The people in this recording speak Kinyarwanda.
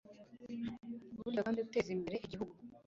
burya kandi uteza imbere igihugu